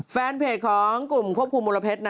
แฟนเพจของกลุ่มครัวบทครูมรพเทศนะ